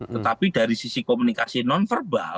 tetapi dari sisi komunikasi non verbal